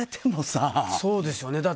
そうですよね。